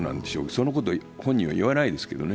そのことを本人は言わないですけどね。